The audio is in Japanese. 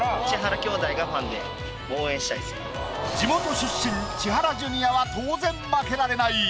地元出身千原ジュニアは当然負けられない！